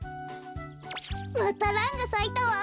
またランがさいたわ。